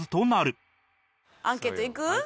アンケートいく？